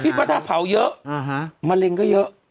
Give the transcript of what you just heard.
แต่ก็คิดว่าถ้าเผาเยอะมะเร็งก็เยอะ